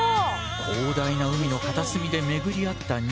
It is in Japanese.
広大な海の片隅で巡り合った２匹。